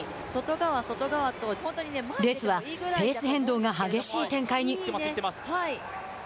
レースはペース変動が激しい展開に。